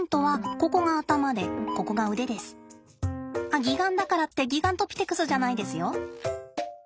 あっ擬岩だからってギガントピテクスじゃないですよ。